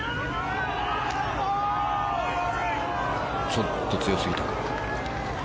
ちょっと強すぎたか。